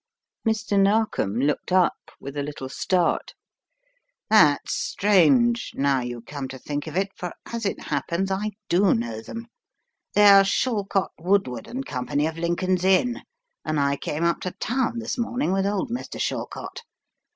Mr. Narkom looked up with a little start. "That's strange, now you come to think of it, for as it happens I do know them — they are Shallcott, Wood ward & Company of Lincoln's Inn, and I came up to town this morning with old Mr. Shallcott.